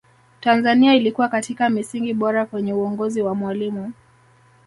tanzania ilikuwa katika misingi bora kwenye uongozi wa mwalimu